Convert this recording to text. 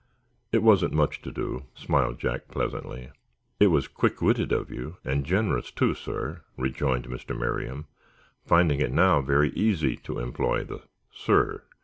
"It wasn't much to do," smiled Jack, pleasantly. "It was quick witted of you, and generous too, sir," rejoined Mr. Merriam, finding it now very easy to employ the "sir."